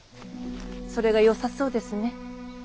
それがよさそうですね。